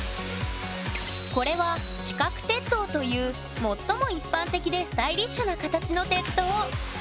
これは四角鉄塔という最も一般的でスタイリッシュな形の鉄塔。